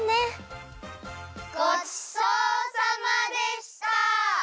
ごちそうさまでした！